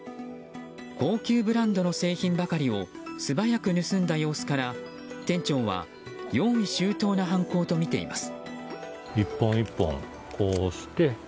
高級ブランドの製品ばかりを素早く盗んだ様子から店長は用意周到な犯行とみています。